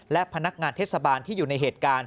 และพนักงานเทศบาลที่อยู่ในเหตุการณ์